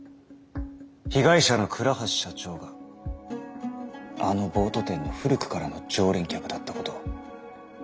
被害者の倉橋社長があのボート店の古くからの常連客だったことを。